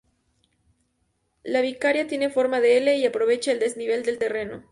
La vicaría tiene forma de L y aprovecha el desnivel del terreno.